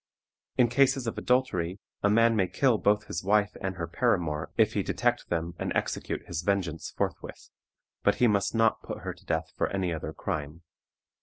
In cases of adultery, a man may kill both his wife and her paramour if he detect them and execute his vengeance forthwith, but he must not put her to death for any other crime.